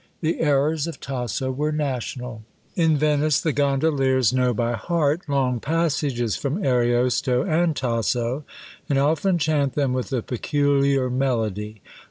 The errors of Tasso were national. In Venice the gondoliers know by heart long passages from Ariosto and Tasso, and often chant them with a peculiar melody.